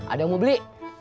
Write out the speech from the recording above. ada yang mau beli